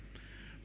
masker kain bersih